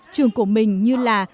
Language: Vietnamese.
trường của mình như là